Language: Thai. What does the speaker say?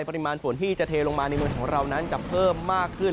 ปริมาณฝนฮี่จะเทลงมาในวันนั้นจะเพิ่มมากขึ้น